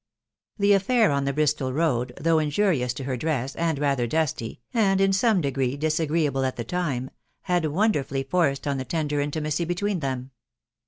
The affair on the Bristol road, though injurious to her dress, and rather dusty, and in some degree disagreeable at the time, had wonderfully forced on the tender intimacy between them.